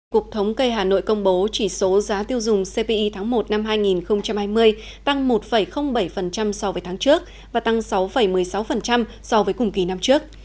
cục thống kê hà nội công bố chỉ số giá tiêu dùng cpi tháng một năm hai nghìn hai mươi tăng một bảy so với tháng trước và tăng sáu một mươi sáu so với cùng kỳ năm trước